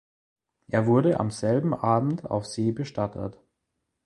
Er wurde am selben Abend auf See bestattet.